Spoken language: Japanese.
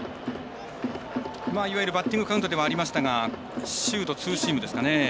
いわゆるバッティングカウントではありましたがシュート、ツーシームですかね。